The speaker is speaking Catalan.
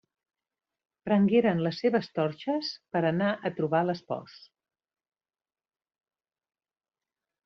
Prengueren les seves torxes per anar a trobar l'espòs.